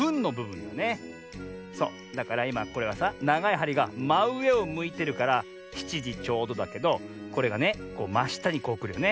そうだからいまこれはさながいはりがまうえをむいてるから７じちょうどだけどこれがねましたにこうくるよね。